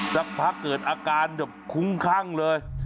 สักพักเกิดอาการคุ้งครั้งเลย